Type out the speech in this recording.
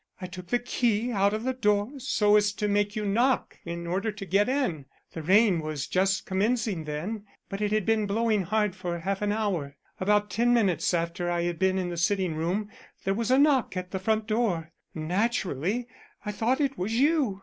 I took the key out of the door so as to make you knock in order to get in. The rain was just commencing then, but it had been blowing hard for half an hour. About ten minutes after I had been in the sitting room there was a knock at the front door. Naturally I thought it was you.